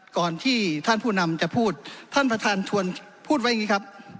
ก่อนที่ท่านผู้นำจะพูดท่านประธานชวนพูดไว้อย่างนี้ครับ